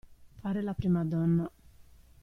Fare la primadonna.